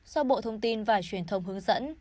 do bộ thông tin và truyền thông hướng dẫn